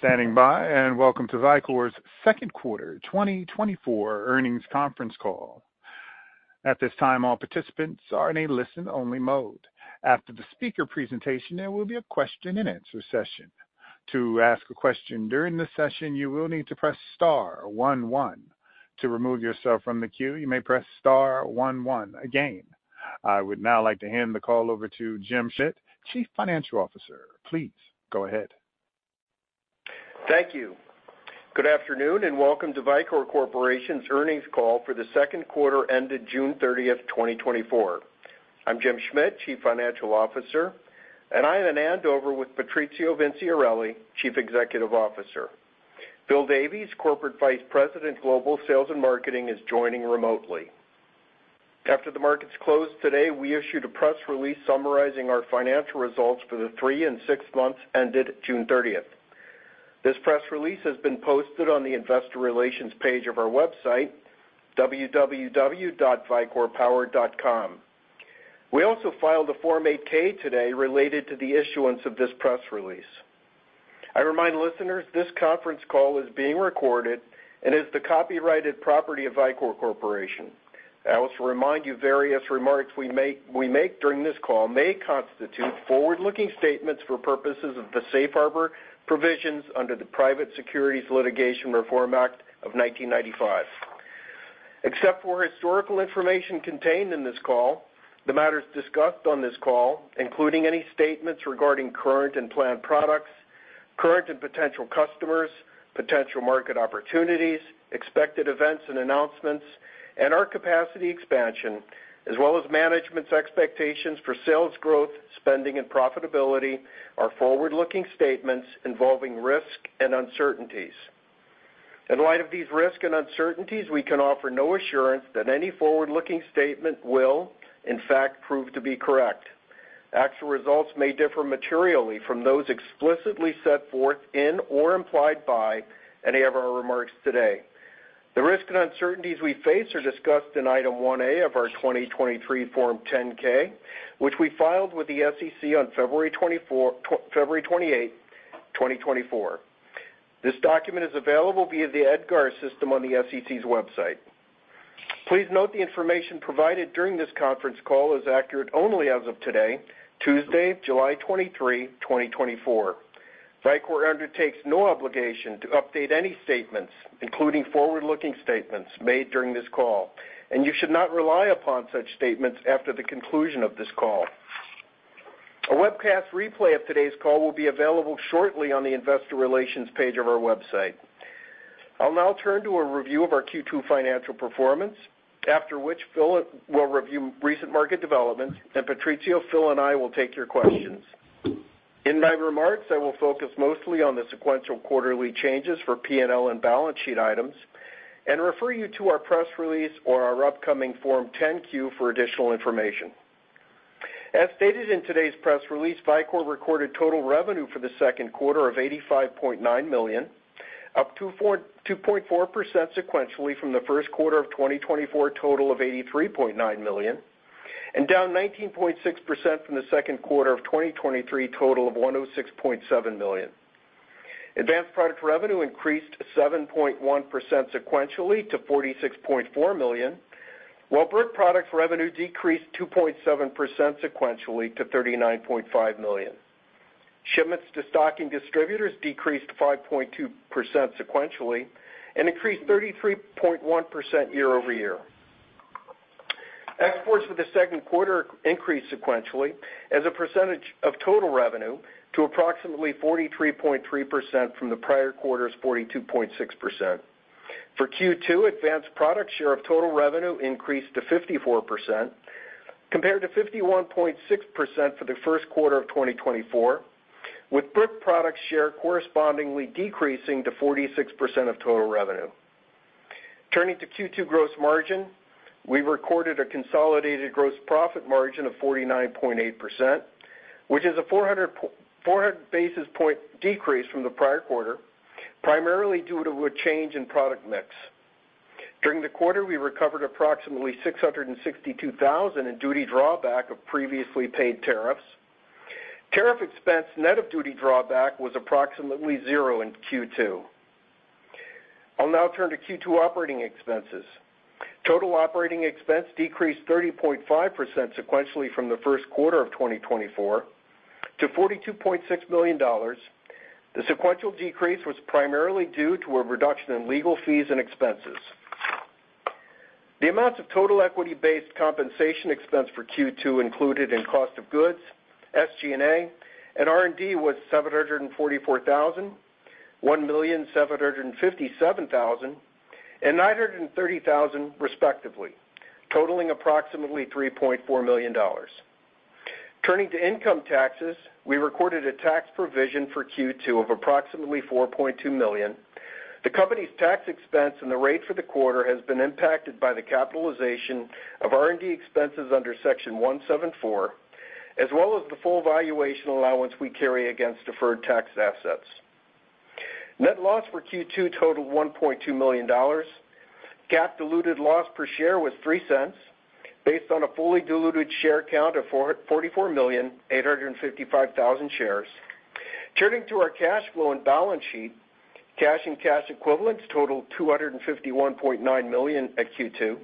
for standing by, and welcome to Vicor's second quarter 2024 Earnings Conference Call. At this time, all participants are in a listen-only mode. After the speaker presentation, there will be a question-and-answer session. To ask a question during this session, you will need to press star one one. To remove yourself from the queue, you may press star one one again. I would now like to hand the call over to Jim Schmidt, Chief Financial Officer. Please go ahead. Thank you. Good afternoon, and welcome to Vicor Corporation's earnings call for the second quarter ended June 30, 2024. I'm Jim Schmidt, Chief Financial Officer, and I am in Andover with Patrizio Vinciarelli, Chief Executive Officer. Phil Davies, Corporate Vice President, Global Sales and Marketing, is joining remotely. After the markets closed today, we issued a press release summarizing our financial results for the three and six months ended June 30. This press release has been posted on the investor relations page of our website, www.vicorpower.com. We also filed a Form 8-K today related to the issuance of this press release. I remind listeners, this conference call is being recorded and is the copyrighted property of Vicor Corporation. I also remind you, various remarks we make, we make during this call may constitute forward-looking statements for purposes of the safe harbor provisions under the Private Securities Litigation Reform Act of 1995. Except for historical information contained in this call, the matters discussed on this call, including any statements regarding current and planned products, current and potential customers, potential market opportunities, expected events and announcements, and our capacity expansion, as well as management's expectations for sales growth, spending, and profitability, are forward-looking statements involving risk and uncertainties. In light of these risks and uncertainties, we can offer no assurance that any forward-looking statement will, in fact, prove to be correct. Actual results may differ materially from those explicitly set forth in or implied by any of our remarks today. The risks and uncertainties we face are discussed in Item 1A of our 2023 Form 10-K, which we filed with the SEC on February 28, 2024. This document is available via the EDGAR system on the SEC's website. Please note, the information provided during this conference call is accurate only as of today, Tuesday, July 23, 2024. Vicor undertakes no obligation to update any statements, including forward-looking statements made during this call, and you should not rely upon such statements after the conclusion of this call. A webcast replay of today's call will be available shortly on the investor relations page of our website. I'll now turn to a review of our Q2 financial performance, after which Phil will review recent market developments, and Patrizio, Phil, and I will take your questions. In my remarks, I will focus mostly on the sequential quarterly changes for P&L and balance sheet items and refer you to our press release or our upcoming Form 10-Q for additional information. As stated in today's press release, Vicor recorded total revenue for the second quarter of $85.9 million, up 2.4% sequentially from the first quarter of 2024, total of $83.9 million, and down 19.6% from the second quarter of 2023, total of $106.7 million. Advanced product revenue increased 7.1% sequentially to $46.4 million, while brick products revenue decreased 2.7% sequentially to $39.5 million. Shipments to stocking distributors decreased 5.2% sequentially and increased 33.1% year-over-year. Exports for the second quarter increased sequentially as a percentage of total revenue to approximately 43.3% from the prior quarter's 42.6%. For Q2, Advanced Products share of total revenue increased to 54%, compared to 51.6% for the first quarter of 2024, with Brick Products share correspondingly decreasing to 46% of total revenue. Turning to Q2 gross margin, we recorded a consolidated gross profit margin of 49.8%, which is a 400 basis point decrease from the prior quarter, primarily due to a change in product mix. During the quarter, we recovered approximately $662,000 in duty drawback of previously paid tariffs. Tariff expense, net of duty drawback, was approximately $0 in Q2. I'll now turn to Q2 operating expenses. Total operating expense decreased 30.5% sequentially from the first quarter of 2024 to $42.6 million. The sequential decrease was primarily due to a reduction in legal fees and expenses. The amounts of total equity-based compensation expense for Q2 included in cost of goods, SG&A, and R&D was 744,000, 1,757,000, and 930,000, respectively, totaling approximately $3.4 million. Turning to income taxes, we recorded a tax provision for Q2 of approximately $4.2 million. The company's tax expense and the rate for the quarter has been impacted by the capitalization of R&D expenses under Section 174, as well as the full valuation allowance we carry against deferred tax assets. Net loss for Q2 totaled $1.2 million. GAAP diluted loss per share was $0.03, based on a fully diluted share count of 444,855,000 shares. Turning to our cash flow and balance sheet, cash and cash equivalents totaled $251.9 million at Q2.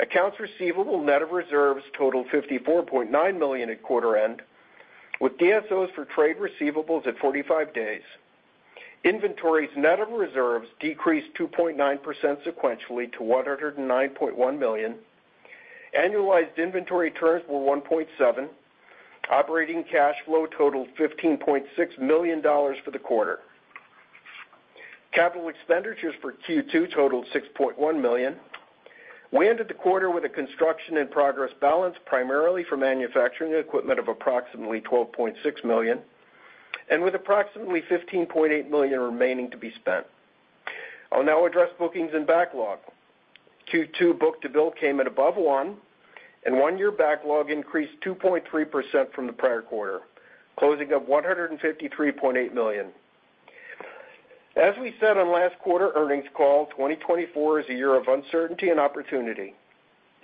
Accounts receivable, net of reserves, totaled $54.9 million at quarter end, with DSOs for trade receivables at 45 days. Inventories, net of reserves, decreased 2.9% sequentially to $109.1 million. Annualized inventory turns were 1.7. Operating cash flow totaled $15.6 million for the quarter. Capital expenditures for Q2 totaled $6.1 million. We ended the quarter with a construction in progress balance, primarily for manufacturing equipment of approximately $12.6 million, and with approximately $15.8 million remaining to be spent. I'll now address bookings and backlog. Q2 book-to-bill came in above 1, and one-year backlog increased 2.3% from the prior quarter, closing of $153.8 million. As we said on last quarter earnings call, 2024 is a year of uncertainty and opportunity.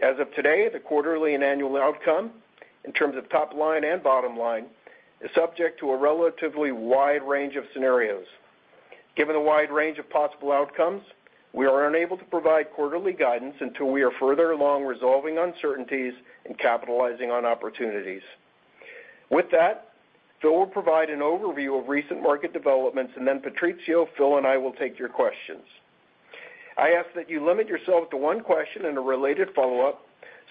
As of today, the quarterly and annual outcome, in terms of top line and bottom line, is subject to a relatively wide range of scenarios. Given the wide range of possible outcomes, we are unable to provide quarterly guidance until we are further along resolving uncertainties and capitalizing on opportunities. With that, Phil will provide an overview of recent market developments, and then Patrizio, Phil, and I will take your questions. I ask that you limit yourself to one question and a related follow-up,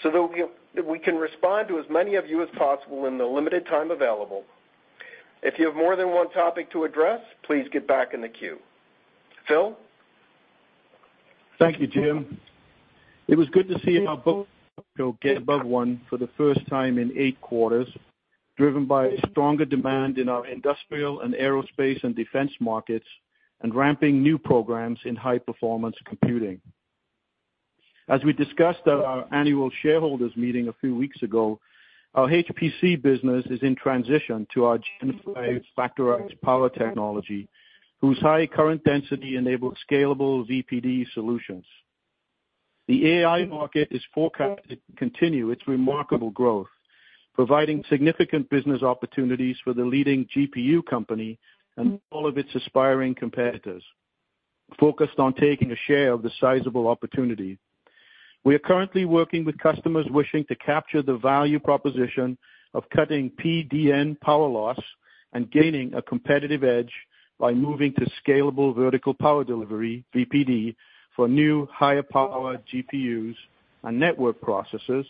so that we can respond to as many of you as possible in the limited time available. If you have more than one topic to address, please get back in the queue. Phil? Thank you, Jim. It was good to see our book-to-bill get above one for the first time in eight quarters, driven by stronger demand in our industrial and aerospace and defense markets, and ramping new programs in high-performance computing. As we discussed at our annual shareholders meeting a few weeks ago, our HPC business is in transition to our Gen 5 Factorized Power technology, whose high current density enables scalable VPD solutions. The AI market is forecasted to continue its remarkable growth, providing significant business opportunities for the leading GPU company and all of its aspiring competitors, focused on taking a share of the sizable opportunity. We are currently working with customers wishing to capture the value proposition of cutting PDN power loss and gaining a competitive edge by moving to scalable vertical power delivery, VPD, for new higher power GPUs and network processors,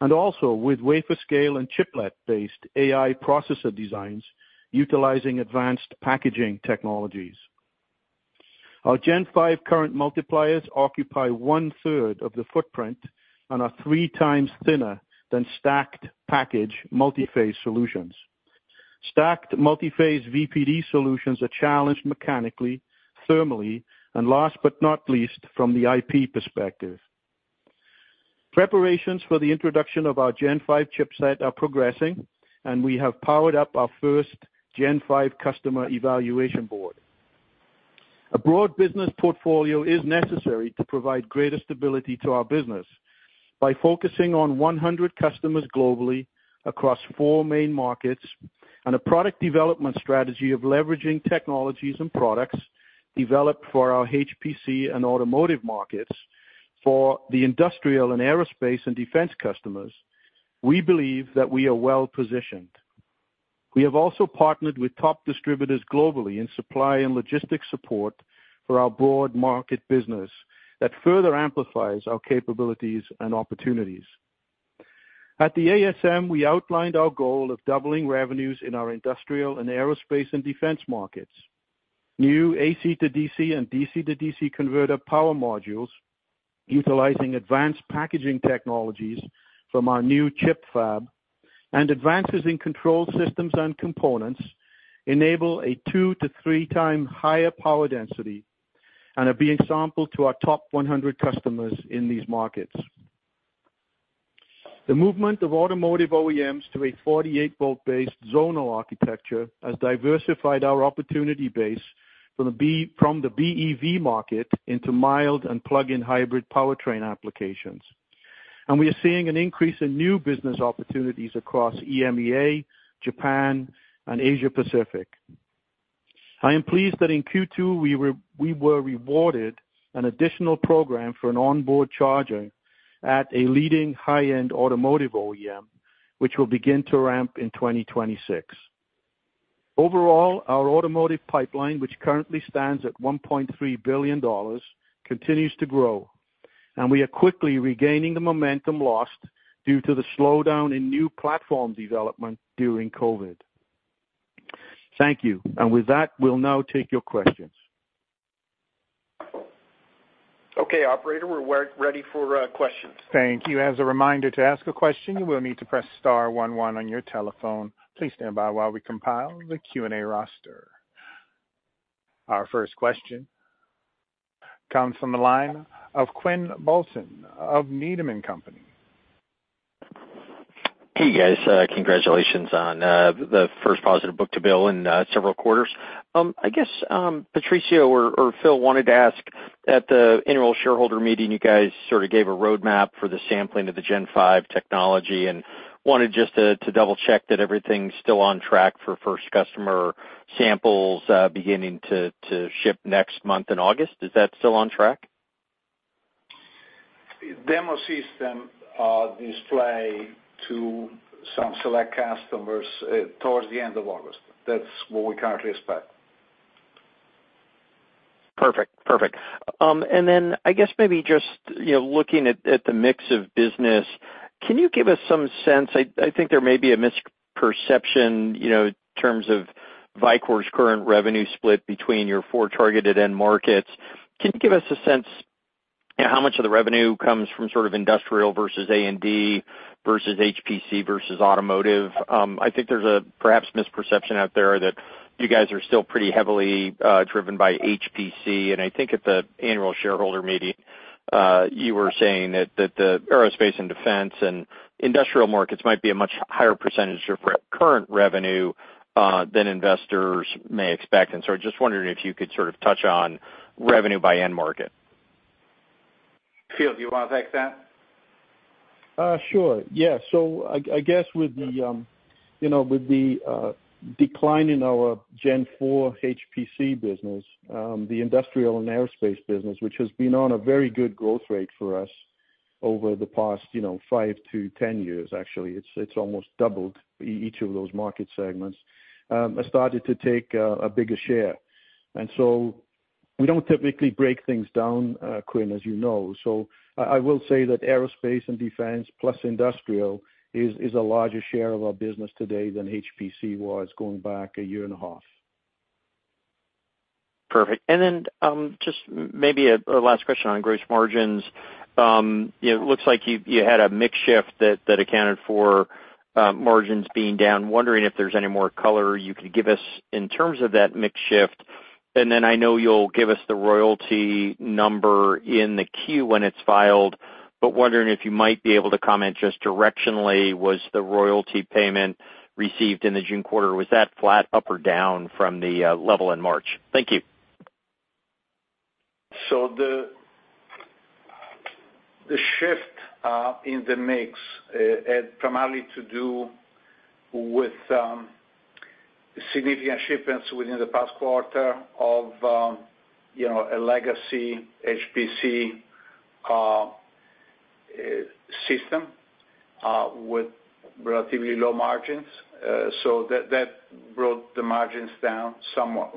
and also with wafer-scale and chiplet-based AI processor designs utilizing advanced packaging technologies. Our Gen 5 current multipliers occupy one third of the footprint and are three times thinner than stacked package multi-phase solutions. Stacked multi-phase VPD solutions are challenged mechanically, thermally, and last but not least, from the IP perspective. Preparations for the introduction of our Gen 5 chipset are progressing, and we have powered up our first Gen 5 customer evaluation board. A broad business portfolio is necessary to provide greater stability to our business. By focusing on 100 customers globally across 4 main markets, and a product development strategy of leveraging technologies and products developed for our HPC and automotive markets for the industrial and aerospace and defense customers, we believe that we are well positioned. We have also partnered with top distributors globally in supply and logistics support for our broad market business that further amplifies our capabilities and opportunities. At the ASM, we outlined our goal of doubling revenues in our industrial and aerospace and defense markets. New AC-to-DC and DC-to-DC converter power modules, utilizing advanced packaging technologies from our new chip fab, and advances in control systems and components enable a 2-3 times higher power density and are being sampled to our top 100 customers in these markets. The movement of automotive OEMs to a 48-volt-based zonal architecture has diversified our opportunity base from the BEV market into mild and plug-in hybrid powertrain applications. We are seeing an increase in new business opportunities across EMEA, Japan, and Asia Pacific. I am pleased that in Q2, we were rewarded an additional program for an onboard charger at a leading high-end automotive OEM, which will begin to ramp in 2026. Overall, our automotive pipeline, which currently stands at $1.3 billion, continues to grow, and we are quickly regaining the momentum lost due to the slowdown in new platform development during COVID. Thank you. With that, we'll now take your questions. Okay, operator, we're ready for questions. Thank you. As a reminder, to ask a question, you will need to press star one one on your telephone. Please stand by while we compile the Q&A roster. Our first question comes from the line of Quinn Bolton of Needham & Company. Hey, guys, congratulations on the first positive Book-to-Bill in several quarters. I guess, Patrizio or Phil wanted to ask, at the annual shareholder meeting, you guys sort of gave a roadmap for the sampling of the Gen 5 technology, and wanted just to double check that everything's still on track for first customer samples, beginning to ship next month in August. Is that still on track? Demo system, display to some select customers, towards the end of August. That's what we currently expect. Perfect. Perfect. And then I guess maybe just, you know, looking at, at the mix of business, can you give us some sense... I think there may be a misperception, you know, in terms of Vicor's current revenue split between your four targeted end markets. Can you give us a sense, you know, how much of the revenue comes from sort of industrial versus A&D, versus HPC, versus automotive? I think there's perhaps a misperception out there that you guys are still pretty heavily driven by HPC, and I think at the annual shareholder meeting, you were saying that the aerospace and defense and industrial markets might be a much higher percentage of recurrent revenue than investors may expect. And so I was just wondering if you could sort of touch on revenue by end market. Phil, do you wanna take that? Sure, yeah. So I guess with the, you know, with the decline in our Gen 4 HPC business, the industrial and aerospace business, which has been on a very good growth rate for us over the past, you know, 5 to 10 years, actually, it's almost doubled each of those market segments, has started to take a bigger share. And so we don't typically break things down, Quinn, as you know, so I will say that aerospace and defense plus industrial is a larger share of our business today than HPC was going back a year and a half. Perfect. And then, just maybe a last question on gross margins. It looks like you had a mix shift that accounted for margins being down. Wondering if there's any more color you could give us in terms of that mix shift? And then I know you'll give us the royalty number in the Q when it's filed, but wondering if you might be able to comment just directionally, was the royalty payment received in the June quarter, was that flat, up, or down from the level in March? Thank you. So the shift in the mix had primarily to do with significant shipments within the past quarter of, you know, a legacy HPC system with relatively low margins. So that brought the margins down somewhat.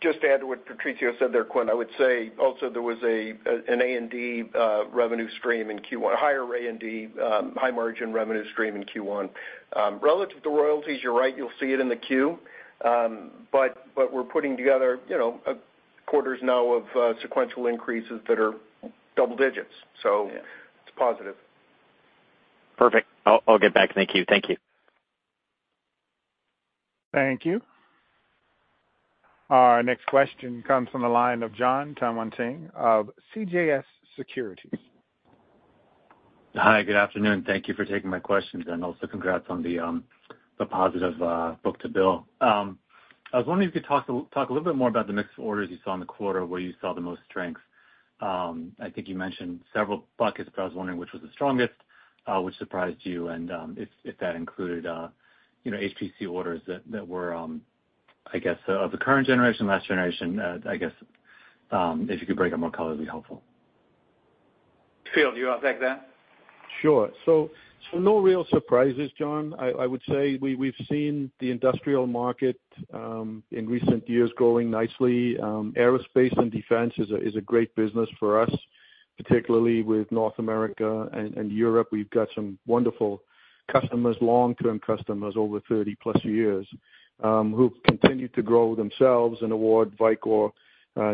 Just to add to what Patrizio said there, Quinn, I would say also there was an A&D revenue stream in Q1, a higher A&D high-margin revenue stream in Q1. Relative to royalties, you're right, you'll see it in the Q, but we're putting together, you know, sequential increases that are double digits, so Yeah. It's positive. Perfect. I'll get back. Thank you. Thank you. Thank you. Our next question comes from the line of Jon Tanwanteng of CJS Securities. Hi, good afternoon. Thank you for taking my questions, and also congrats on the positive book-to-bill. I was wondering if you could talk a little bit more about the mix of orders you saw in the quarter, where you saw the most strength. I think you mentioned several buckets, but I was wondering which was the strongest, which surprised you, and if that included, you know, HPC orders that were, I guess, of the current generation, last generation, I guess, if you could break it more colorfully helpful. Phil, do you want to take that? Sure. So no real surprises, John. I would say we've seen the industrial market in recent years growing nicely. Aerospace and defense is a great business for us, particularly with North America and Europe. We've got some wonderful customers, long-term customers, over 30-plus years, who've continued to grow themselves and award Vicor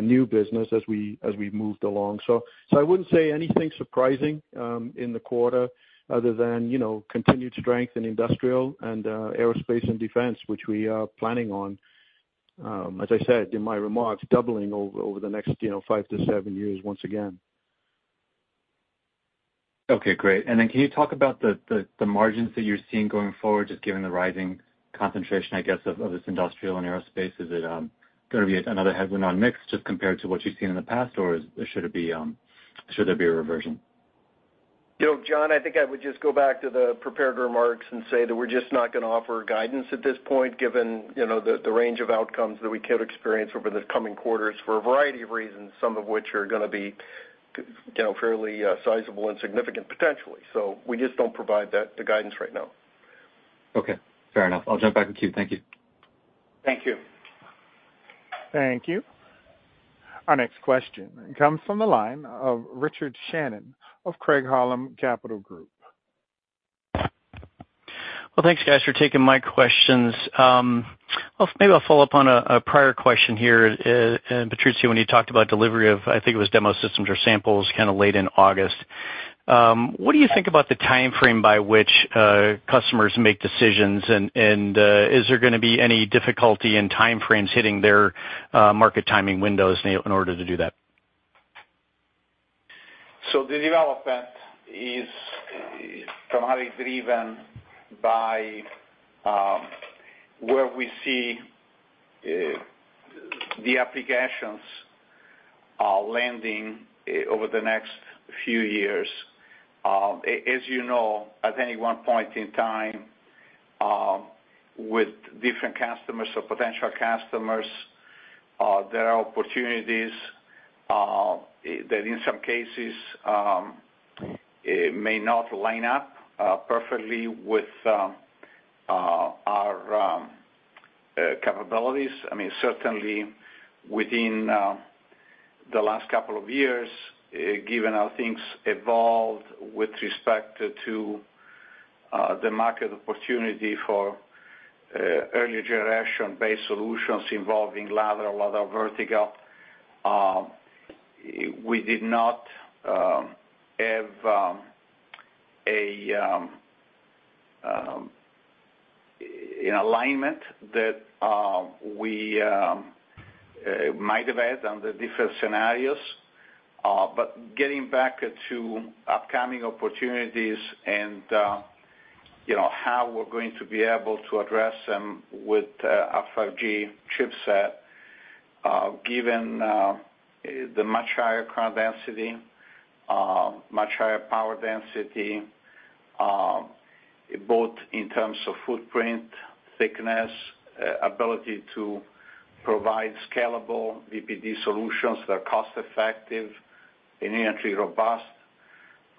new business as we've moved along. So I wouldn't say anything surprising in the quarter, other than, you know, continued strength in industrial and aerospace and defense, which we are planning on, as I said in my remarks, doubling over the next, you know, 5 to 7 years once again. Okay, great. And then can you talk about the margins that you're seeing going forward, just given the rising concentration, I guess, of this industrial and aerospace? Is it gonna be another headwind on mix just compared to what you've seen in the past, or should there be a reversion? You know, John, I think I would just go back to the prepared remarks and say that we're just not gonna offer guidance at this point, given, you know, the range of outcomes that we could experience over the coming quarters for a variety of reasons, some of which are gonna be, you know, fairly sizable and significant potentially. So we just don't provide that guidance right now. Okay, fair enough. I'll jump back in queue. Thank you. Thank you. Thank you. Our next question comes from the line of Richard Shannon of Craig-Hallum Capital Group. Well, thanks, guys, for taking my questions. Well, maybe I'll follow up on a prior question here. Patrizio, when you talked about delivery of, I think it was demo systems or samples kind of late in August, what do you think about the timeframe by which customers make decisions, and is there gonna be any difficulty in timeframes hitting their market timing windows in order to do that? So the development is primarily driven by where we see the applications landing over the next few years. As you know, at any one point in time, with different customers or potential customers, there are opportunities that in some cases it may not line up perfectly with our capabilities. I mean, certainly within the last couple of years, given how things evolved with respect to the market opportunity for earlier generation-based solutions involving lateral or vertical, we did not have an alignment that we might have had under different scenarios. But getting back to upcoming opportunities and, you know, how we're going to be able to address them with our Gen 5 chipset, given the much higher cloud density, much higher power density, both in terms of footprint, thickness, ability to provide scalable VPD solutions that are cost-effective, inherently robust,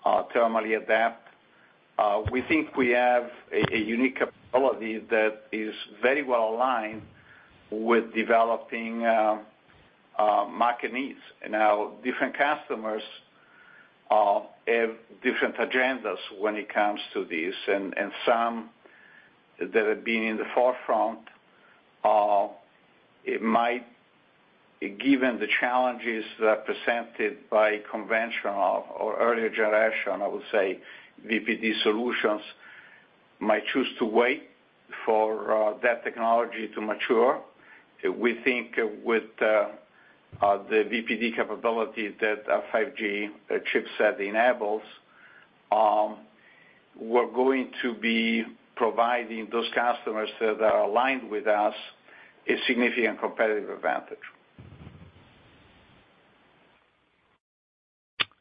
thermally adapt. We think we have a, a unique capability that is very well aligned with developing market needs. Now, different customers have different agendas when it comes to this, and, and some that have been in the forefront, it might, given the challenges that are presented by conventional or earlier generation, I would say, VPD solutions, might choose to wait for that technology to mature. We think with the VPD capability that our Gen 5 chipset enables, we're going to be providing those customers that are aligned with us, a significant competitive advantage.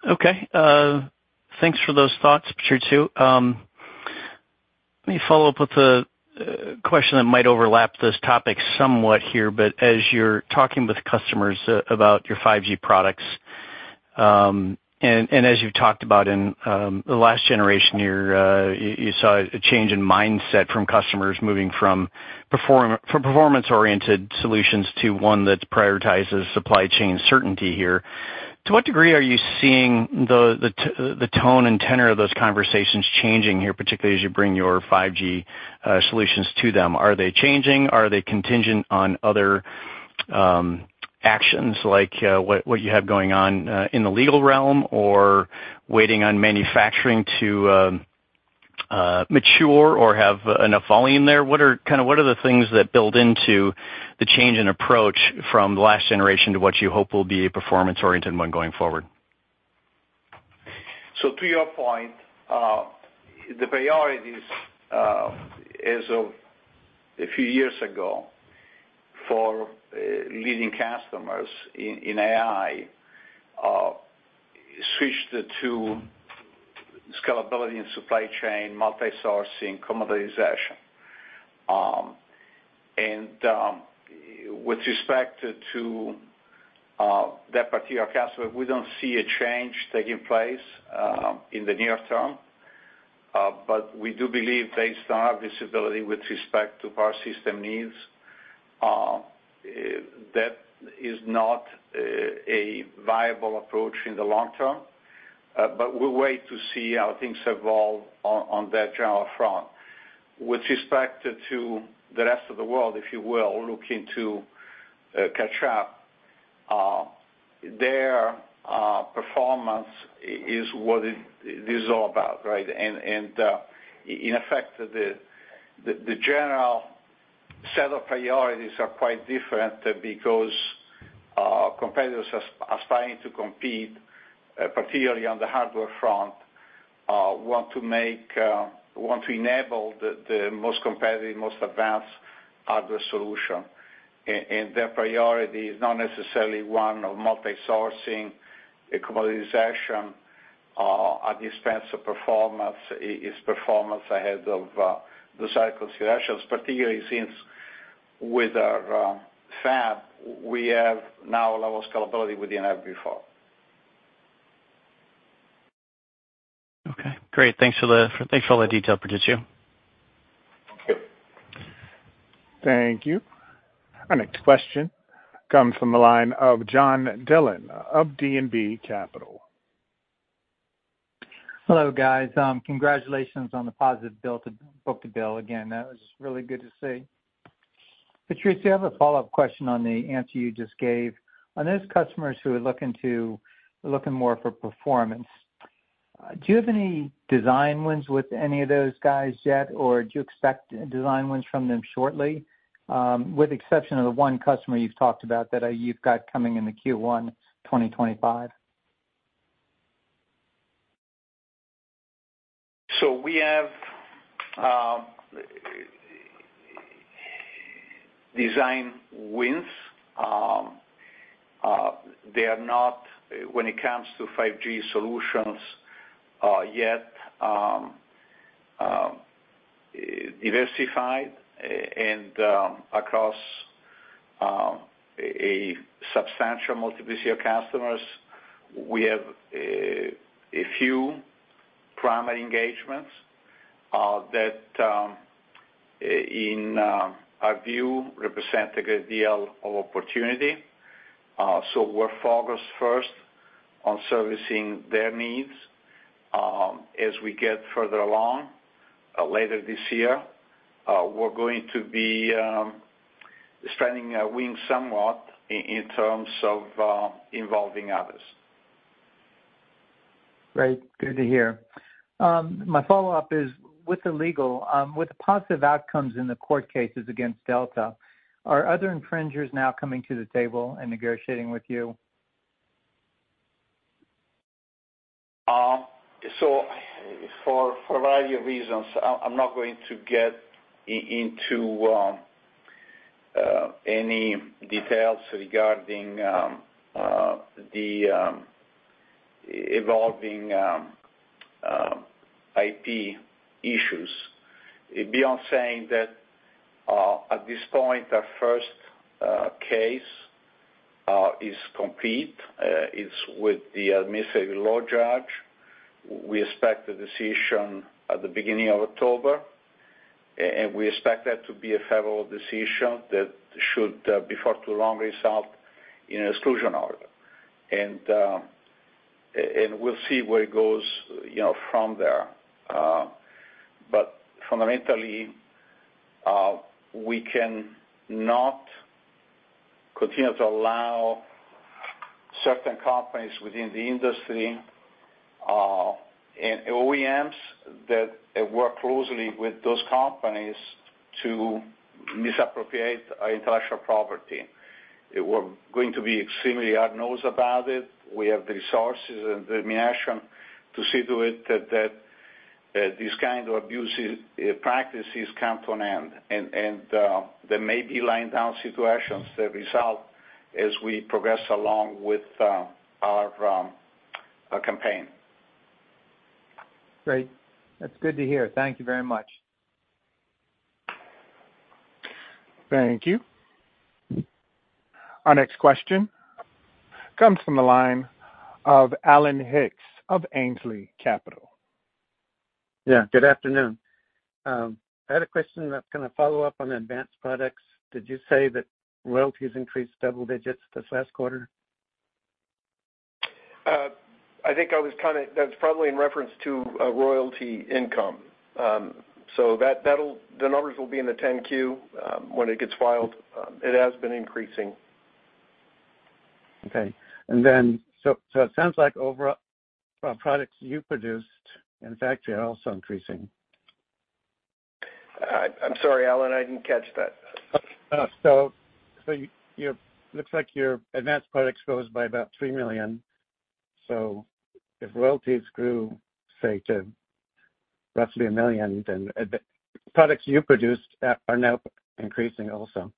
Okay. Thanks for those thoughts, Patrizio. Let me follow up with a question that might overlap this topic somewhat here, but as you're talking with customers about your Gen 5 products, and as you've talked about in the last generation, you saw a change in mindset from customers moving from performance-oriented solutions to one that prioritizes supply chain certainty here. To what degree are you seeing the tone and tenor of those conversations changing here, particularly as you bring your Gen 5 solutions to them? Are they changing? Are they contingent on other actions, like what you have going on in the legal realm, or waiting on manufacturing to mature or have enough volume there? What kind of what are the things that build into the change in approach from the last generation to what you hope will be a performance-oriented one going forward? So to your point, the priorities, as of a few years ago, for leading customers in AI, switched to scalability and supply chain, multi-sourcing, commoditization. With respect to that particular customer, we don't see a change taking place in the near term. But we do believe, based on our visibility with respect to power system needs, that is not a viable approach in the long term. But we'll wait to see how things evolve on that general front. With respect to the rest of the world, if you will, looking to catch up, their performance is what this is all about, right? In effect, the general set of priorities are quite different because competitors are starting to compete, particularly on the hardware front, want to enable the most competitive, most advanced hardware solution. And their priority is not necessarily one of multi-sourcing, commoditization at the expense of performance. It's performance ahead of the side considerations, particularly since with our fab we have now a level of scalability we didn't have before. Okay, great. Thanks for all the detail, Patrizio. Thank you. Thank you. Our next question comes from the line of John Dillon of D.A. Davidson & Co. Hello, guys, congratulations on the positive book-to-bill again. That was really good to see. Patrizio, I have a follow-up question on the answer you just gave. On those customers who are looking more for performance. Do you have any design wins with any of those guys yet, or do you expect design wins from them shortly? With exception of the one customer you've talked about that you've got coming into Q1 2025. So we have design wins. They are not, when it comes to Gen 5 solutions, yet diversified and across a substantial multiplicity of customers. We have a few primary engagements that in our view represent a great deal of opportunity. So we're focused first on servicing their needs. As we get further along later this year, we're going to be spreading our wings somewhat in terms of involving others. Great. Good to hear. My follow-up is, with the positive outcomes in the court cases against Delta, are other infringers now coming to the table and negotiating with you? So, for a variety of reasons, I'm not going to get into any details regarding the evolving IP issues, beyond saying that, at this point, our first case is complete. It's with the administrative law judge. We expect a decision at the beginning of October, and we expect that to be a federal decision that should, before too long, result in an exclusion order. And we'll see where it goes, you know, from there. But fundamentally, we can not continue to allow certain companies within the industry and OEMs that work closely with those companies to misappropriate our intellectual property. We're going to be extremely agnostic about it. We have the resources and determination to see to it that these kind of abusive practices come to an end. There may be line down situations that result as we progress along with our campaign. Great. That's good to hear. Thank you very much. Thank you. Our next question comes from the line of Alan Hicks of Ainslie Capital. Yeah, good afternoon. I had a question that's gonna follow up on Advanced Products. Did you say that royalties increased double digits this last quarter? I think that's probably in reference to royalty income. So that will be in the 10-Q when it gets filed. It has been increasing. Okay. And then, so it sounds like overall, products you produced, in fact, are also increasing. I'm sorry, Alan, I didn't catch that. So, it looks like your Advanced Products grows by about $3 million. So if royalties grew, say, to roughly $1 million, then the products you produced are now increasing also,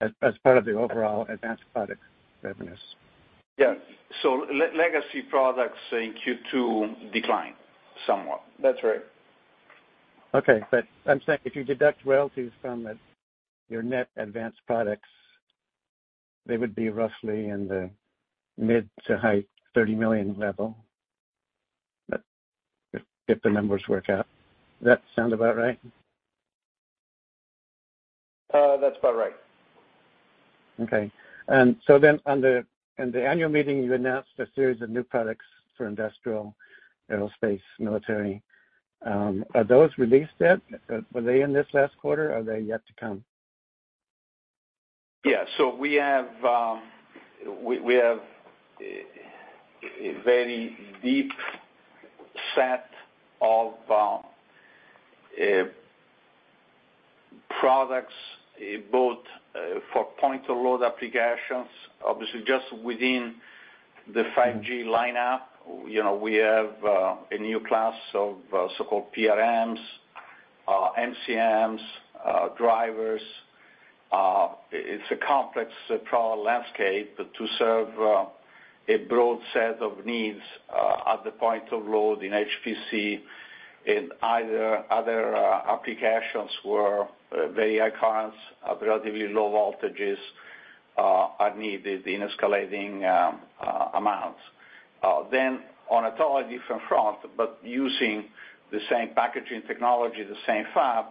as part of the overall Advanced Products revenues. Yeah. So legacy products in Q2 declined somewhat. That's right. Okay, but I'm saying if you deduct royalties from your net Advanced Products, they would be roughly in the mid- to high $30 million level, but if, if the numbers work out. Does that sound about right? That's about right. Okay. And so then in the annual meeting, you announced a series of new products for industrial, aerospace, military. Are those released yet? Were they in this last quarter, or are they yet to come? Yeah. So we have a very deep set of products both for point-to-load applications. Obviously, just within the Gen 5 lineup, you know, we have a new class of so-called PRMs, MCMs, drivers. It's a complex product landscape to serve a broad set of needs at the point of load in HPC, in either other applications where very high currents, relatively low voltages are needed in escalating amounts. Then on a totally different front, but using the same packaging technology, the same fab,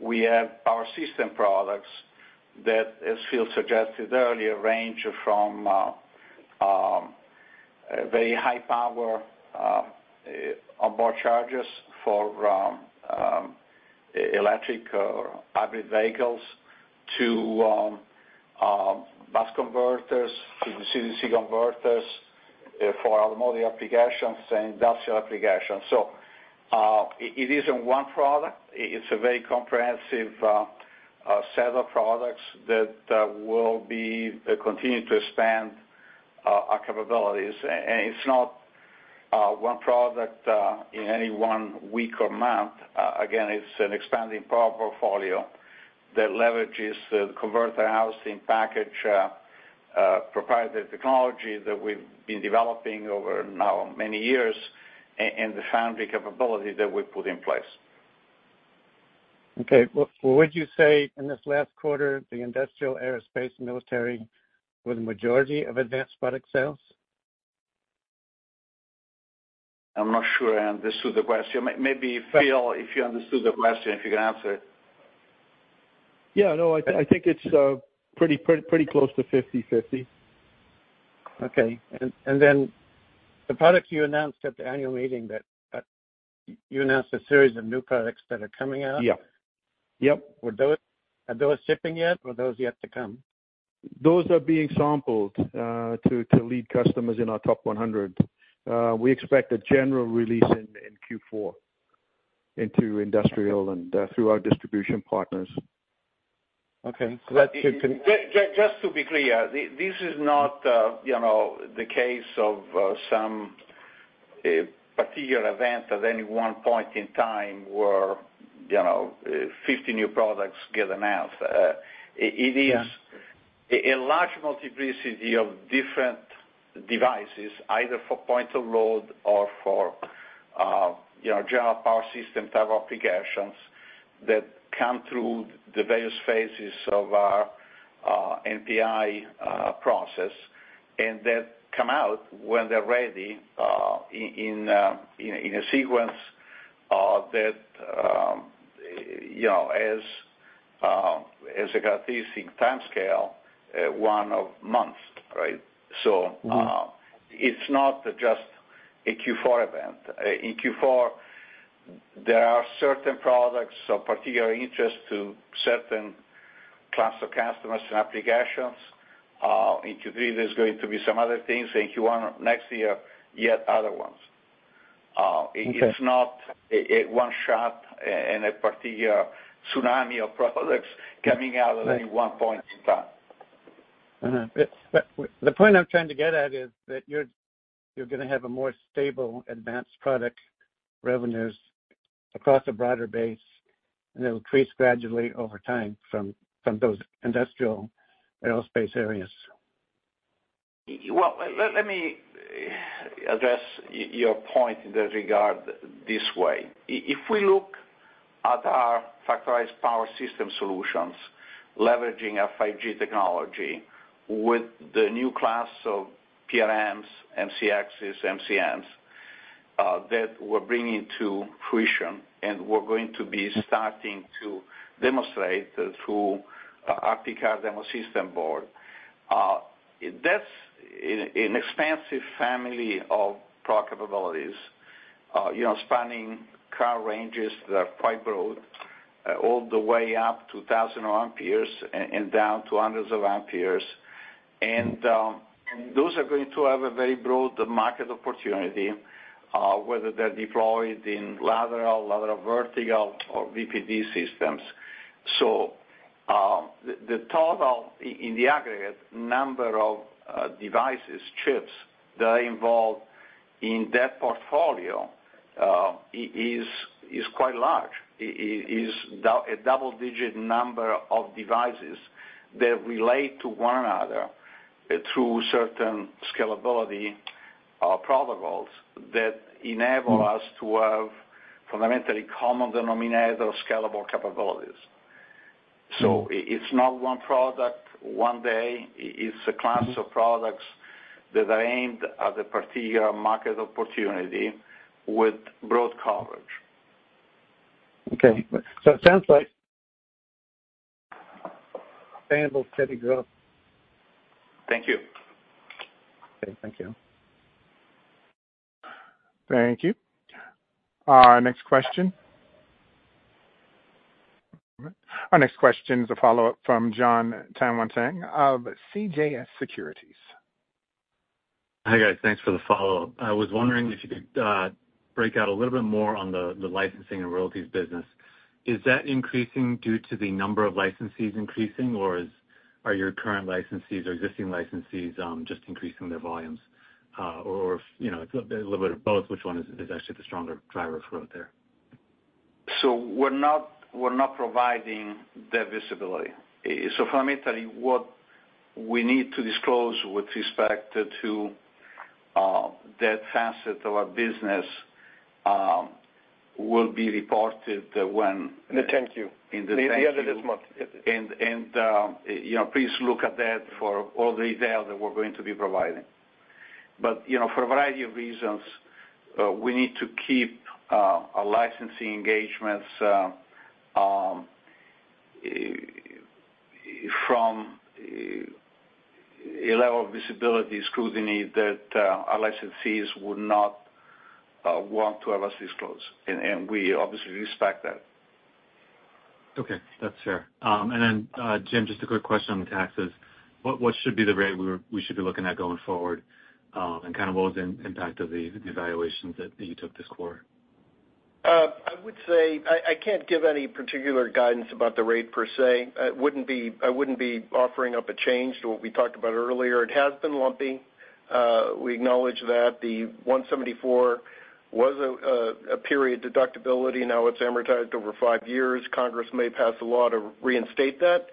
we have our system products that, as Phil suggested earlier, range from very high power on-board chargers for electric or hybrid vehicles to bus converters, to DC-DC converters for automotive applications and industrial applications. So, it isn't one product. It's a very comprehensive set of products that will be continuing to expand our capabilities. And it's not one product in any one week or month. Again, it's an expanding product portfolio that leverages the converter housing package proprietary technology that we've been developing over now many years, and the foundry capabilities that we put in place. Okay. Well, would you say in this last quarter, the industrial, aerospace, and military were the majority of Advanced Products sales? I'm not sure I understood the question. Maybe, Phil, if you understood the question, if you can answer it. Yeah, no, I think it's pretty close to 50/50. Okay. And then the products you announced at the annual meeting, that you announced a series of new products that are coming out? Yeah. Yep. Are those shipping yet, or are those yet to come? Those are being sampled to, to lead customers in our top 100. We expect a general release in, in Q4 into industrial and through our distribution partners. Okay, so that should Just to be clear, this is not, you know, the case of some particular event at any one point in time where, you know, 50 new products get announced. It is Yeah a large multiplicity of different devices, either for point of load or for, you know, general power system type applications, that come through the various phases of our NPI process, and that come out when they're ready, in a sequence that, you know, as a Cartesian timescale, one of months, right? So, it's not just a Q4 event. In Q4, there are certain products of particular interest to certain classes of customers and applications. In Q3, there's going to be some other things, in Q1 of next year, yet other ones. Okay it's not a one-shot and a particular tsunami of products coming out at any one point in time. But the point I'm trying to get at is that you're gonna have a more stable advanced product revenues across a broader base, and it'll increase gradually over time from those industrial aerospace areas. Well, let me address your point in that regard this way. If we look at our Factorized Power system solutions, leveraging our Gen 5 technology with the new class of PRMs, MCMs, MCDs, that we're bringing to fruition, and we're going to be starting to demonstrate through our Picor demo system board. That's an expansive family of product capabilities, you know, spanning current ranges that are quite broad, all the way up to 1,000 amperes and down to hundreds of amperes. And those are going to have a very broad market opportunity, whether they're deployed in lateral, lateral-vertical or VPD systems. So, the total in the aggregate number of devices, chips, that are involved in that portfolio, is quite large. It's a double-digit number of devices that relate to one another through certain scalability protocols that enable us to have fundamentally common denominator scalable capabilities. So it's not one product, one day. It's a class of products that are aimed at a particular market opportunity with broad coverage. Okay. So it sounds like sustainable, steady growth. Thank you. Okay, thank you. Thank you. Our next question is a follow-up from Jon Tanwanteng of CJS Securities. Hi, guys. Thanks for the follow-up. I was wondering if you could break out a little bit more on the licensing and royalties business. Is that increasing due to the number of licensees increasing, or are your current licensees or existing licensees just increasing their volumes? Or, you know, a little bit of both, which one is actually the stronger driver of growth there? So we're not, we're not providing that visibility. So fundamentally, what we need to disclose with respect to, that facet of our business, will be reported when- In the 10-Q. In the 10-Q. The end of this month. You know, please look at that for all the detail that we're going to be providing. But, you know, for a variety of reasons, we need to keep our licensing engagements, from a level of visibility scrutiny that our licensees would not want to have us disclose, and we obviously respect that. Okay, that's fair. And then, Jim, just a quick question on taxes. What should be the rate we should be looking at going forward, and kind of what was the impact of the evaluations that you took this quarter? I would say I can't give any particular guidance about the rate per se. I wouldn't be offering up a change to what we talked about earlier. It has been lumpy. We acknowledge that the 174 was a period deductibility, now it's amortized over five years. Congress may pass a law to reinstate that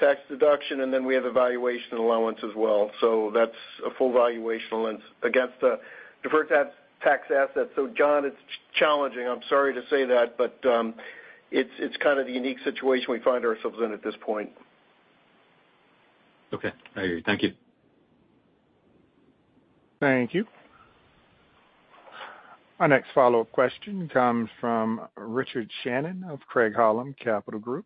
tax deduction, and then we have a valuation allowance as well. So that's a full valuation allowance against the deferred tax assets. So John, it's challenging, I'm sorry to say that, but it's kind of the unique situation we find ourselves in at this point. Okay. I hear you. Thank you. Thank you. Our next follow-up question comes from Richard Shannon of Craig-Hallum Capital Group.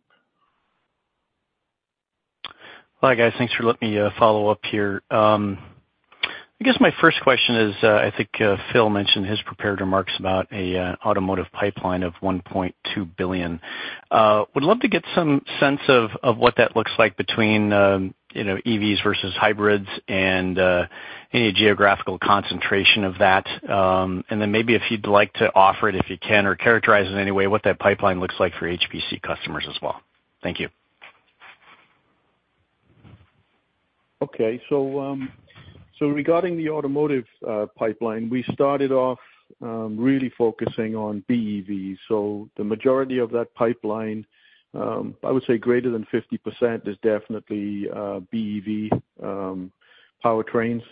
Hi, guys. Thanks for letting me follow up here. I guess my first question is, I think, Phil mentioned his prepared remarks about a automotive pipeline of $1.2 billion. Would love to get some sense of what that looks like between, you know, EVs versus hybrids and any geographical concentration of that. And then maybe if you'd like to offer it, if you can, or characterize it in any way, what that pipeline looks like for HPC customers as well. Thank you. Okay. So, regarding the automotive pipeline, we started off really focusing on BEV. So the majority of that pipeline, I would say greater than 50% is definitely BEV powertrains.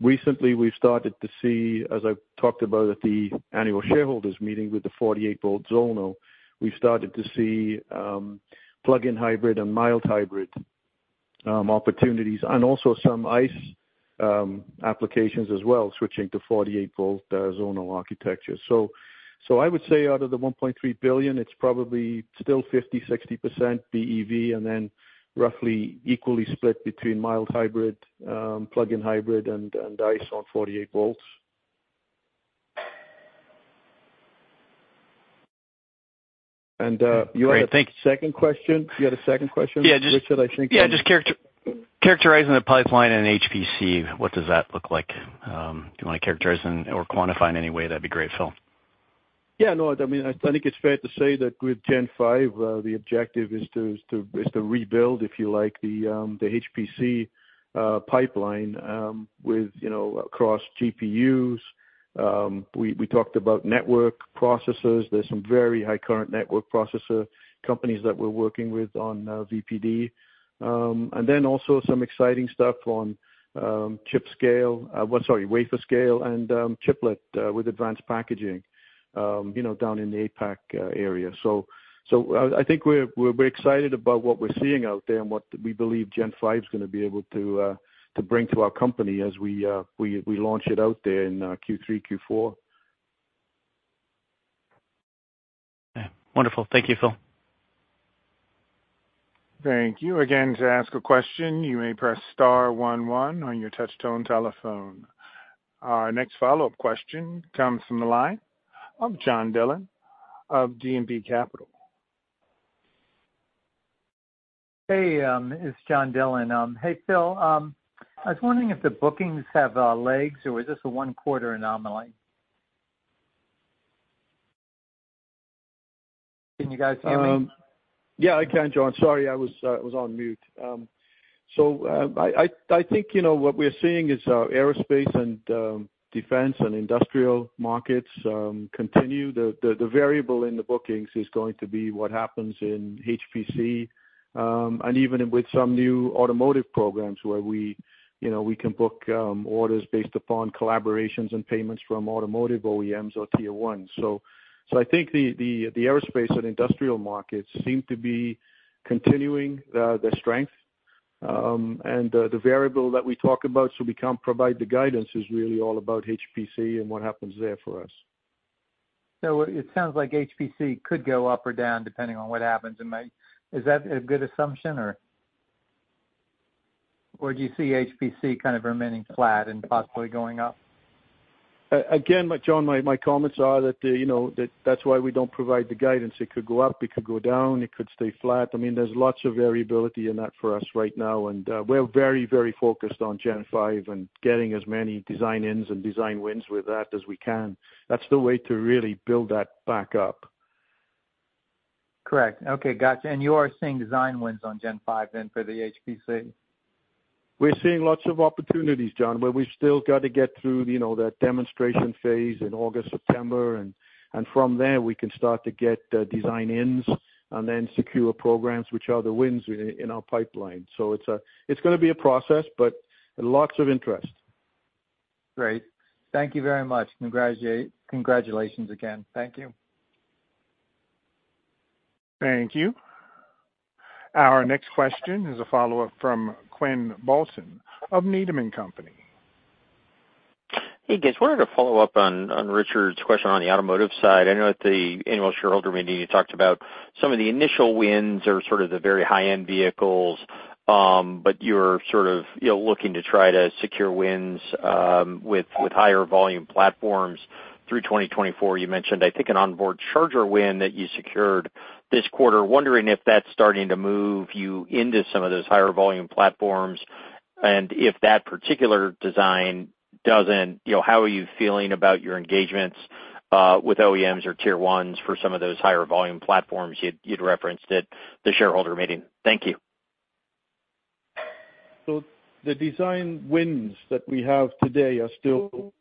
Recently we've started to see, as I talked about at the annual shareholders meeting with the 48-volt zonal, we've started to see plug-in hybrid and mild hybrid opportunities, and also some ICE applications as well, switching to 48-volt zonal architecture. So, I would say out of the $1.3 billion, it's probably still 50-60% BEV, and then roughly equally split between mild hybrid, plug-in hybrid and ICE on 48 volts. And, great. Thank Second question. You had a second question? Yeah. Richard, I think- Yeah, just characterizing the pipeline in HPC, what does that look like? If you wanna characterize and/or quantify in any way, that'd be great, Phil. Yeah, no, I mean, I think it's fair to say that with Gen 5, the objective is to rebuild, if you like, the HPC pipeline with, you know, across GPUs. We talked about network processors. There's some very high-current network processor companies that we're working with on VPD. And then also some exciting stuff on chip scale, well, sorry, wafer-scale and chiplet with advanced packaging, you know, down in the APAC area. So, I think we're excited about what we're seeing out there and what we believe Gen 5's gonna be able to bring to our company as we launch it out there in Q3, Q4. Yeah. Wonderful. Thank you, Phil. Thank you. Again, to ask a question, you may press star one one on your touchtone telephone. Our next follow-up question comes from the line of John Dillon of D.A. Davidson & Co. Hey, it's John Dillon. Hey, Phil, I was wondering if the bookings have legs, or is this a one quarter anomaly? Can you guys hear me? Yeah, I can, John. Sorry, I was, I was on mute. So, I, I think, you know, what we're seeing is, aerospace and, defense and industrial markets, continue. The variable in the bookings is going to be what happens in HPC, and even with some new automotive programs where we, you know, we can book, orders based upon collaborations and payments from automotive OEMs or Tier 1s. So I think the aerospace and industrial markets seem to be continuing, their strength. And the variable that we talk about, so we can't provide the guidance, is really all about HPC and what happens there for us. So it sounds like HPC could go up or down, depending on what happens. Am I... Is that a good assumption, or, or do you see HPC kind of remaining flat and possibly going up? Again, hi John, my comments are that, you know, that's why we don't provide the guidance. It could go up, it could go down, it could stay flat. I mean, there's lots of variability in that for us right now, and we're very, very focused on Gen 5 and getting as many design-ins and design wins with that as we can. That's the way to really build that back up. Correct. Okay, gotcha. And you are seeing design wins on Gen 5 then for the HPC? We're seeing lots of opportunities, John, but we've still got to get through, you know, that demonstration phase in August, September, and from there, we can start to get design-ins and then secure programs, which are the wins in our pipeline. So it's a... It's gonna be a process, but lots of interest. Great. Thank you very much. Congratulations again. Thank you. Thank you. Our next question is a follow-up from Quinn Bolton of Needham & Company. Hey, guys, wanted to follow up on Richard's question on the automotive side. I know at the annual shareholder meeting, you talked about some of the initial wins are sort of the very high-end vehicles, but you're sort of, you know, looking to try to secure wins with higher volume platforms through 2024. You mentioned, I think, an onboard charger win that you secured this quarter. Wondering if that's starting to move you into some of those higher volume platforms, and if that particular design doesn't, you know, how are you feeling about your engagements with OEMs or Tier 1s for some of those higher volume platforms you'd referenced at the shareholder meeting? Thank you. So the design wins that we have today are still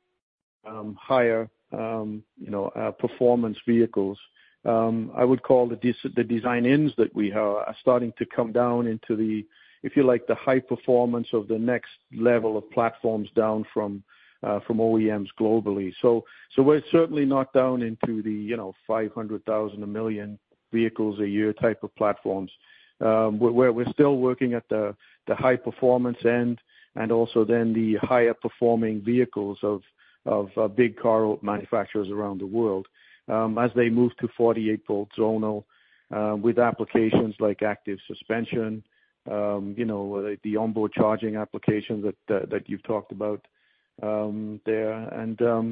higher, you know, performance vehicles. I would call the design wins that we have are starting to come down into the, if you like, the high performance of the next level of platforms down from OEMs globally. So we're certainly not down into the, you know, 500,000, 1 million vehicles a year type of platforms. We're still working at the high performance end, and also then the higher performing vehicles of big car manufacturers around the world. As they move to 48-volt zonal, with applications like active suspension, you know, the onboard charging applications that you've talked about, there.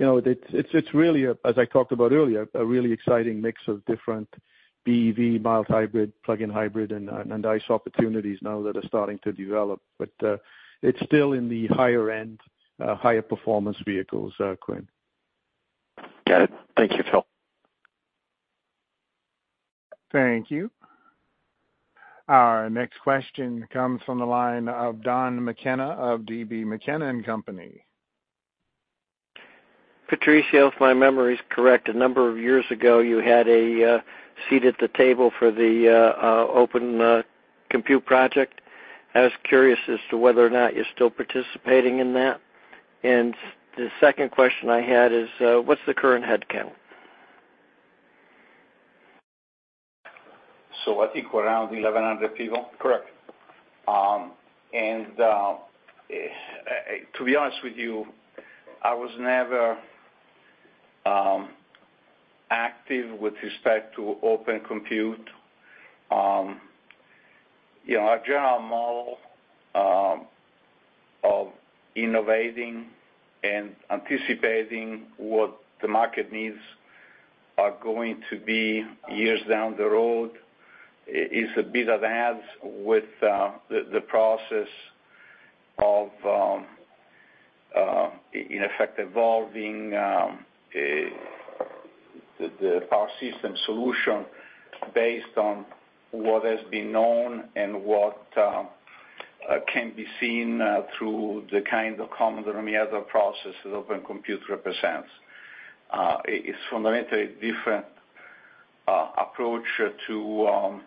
You know, it's really, as I talked about earlier, a really exciting mix of different BEV, Mild Hybrid, Plug-in Hybrid, and ICE opportunities now that are starting to develop. But it's still in the higher end, higher performance vehicles, Quinn. Got it. Thank you, Phil. Thank you. Our next question comes from the line of Don McKenna of DB McKenna & Company. Patrizio, if my memory is correct, a number of years ago, you had a seat at the table for the Open Compute Project. I was curious as to whether or not you're still participating in that. And the second question I had is, what's the current headcount? So I think around 1,100 people? Correct. And to be honest with you, I was never active with respect to Open Compute. You know, our general model of innovating and anticipating what the market needs are going to be years down the road is a bit at odds with the process of in effect evolving the power system solution based on what has been known and what can be seen through the kind of common denominator processes Open Compute represents. It's fundamentally different approach to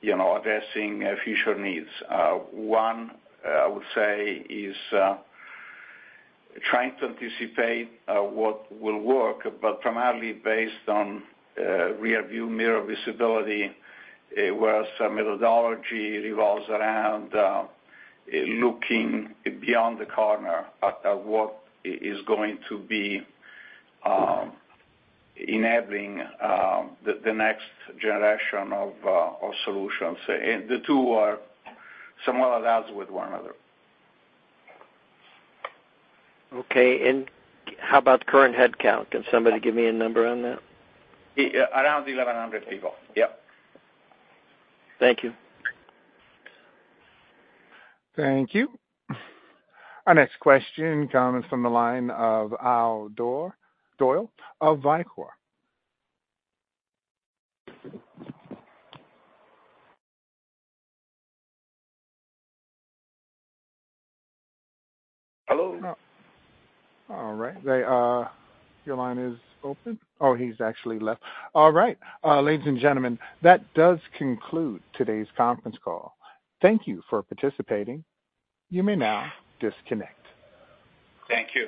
you know addressing future needs. One, I would say is trying to anticipate what will work, but primarily based on rearview mirror visibility, whereas methodology revolves around looking beyond the corner at what is going to be enabling the next generation of solutions. And the two are somewhat at odds with one another. Okay. How about current headcount? Can somebody give me a number on that? Around 1,100 people. Yep. Thank you. Thank you. Our next question comes from the line of Al Doyle of Vicor. Hello? All right. Your line is open. Oh, he's actually left. All right, ladies and gentlemen, that does conclude today's conference call. Thank you for participating. You may now disconnect. Thank you.